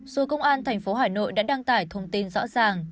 dù công an thành phố hà nội đã đăng tải thông tin rõ ràng